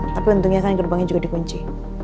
tapi untungnya kan gerbangnya juga dikunci